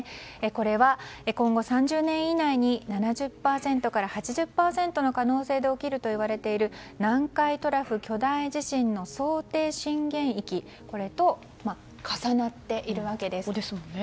これは、今後３０年以内に７０％から８０％の可能性で起きるといわれている南海トラフ巨大地震の想定震源域と重なっているわけです。